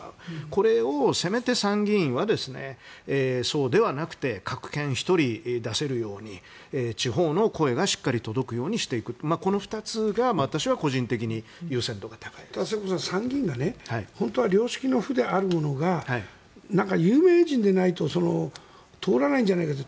これを、せめて参議院はそうではなくて各県１人出せるように地方の声がしっかり届くようにしていくこの２つが世耕さん、参議院が本当は良識の府であるものが有名人でないと通らないんじゃないかと。